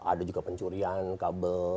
ada juga pencurian kabel